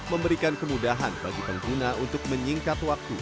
memberikan kemudahan bagi pengguna untuk menyingkat waktu